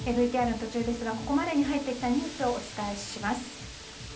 ＶＴＲの途中ですがここまでに入ってきたニュースをお伝えします。